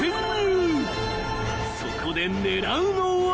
［そこで狙うのは］